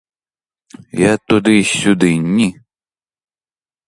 Я туди, сюди — ні!